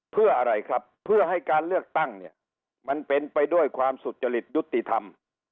เพื่ออะไรครับเพื่อให้การเลือกตั้งเนี่ยมันเป็นไปด้วยความสุจริตยุติธรรม